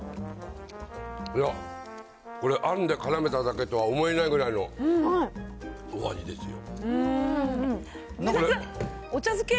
いや、これ、あんでからめただけとは思えないぐらいのお味ですよ。